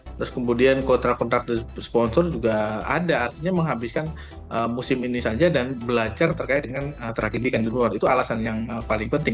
terus kemudian kontra kontrak sponsor juga ada artinya menghabiskan musim ini saja dan belajar terkait dengan tragedi kan di luar itu alasan yang paling penting